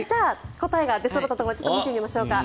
答えが出そろったところで見てみましょうか。